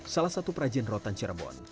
salah satu perajin rotan cirebon